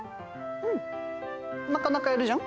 うんなかなかやるじゃん。